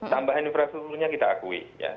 tambahan infrastrukturnya kita akui